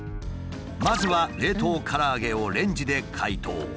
まずは冷凍から揚げをレンジで解凍。